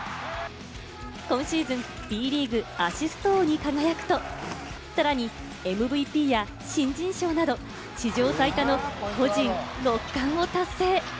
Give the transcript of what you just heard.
今シーズン、Ｂリーグ・アシスト王に輝くと、さらにＭＶＰや新人賞など、史上最多の個人六冠を達成。